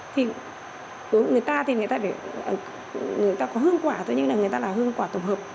thì người ta có hương quả thôi nhưng người ta là hương quả tổng hợp